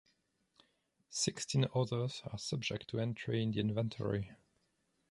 Sixteen others are subject to entry in the inventory.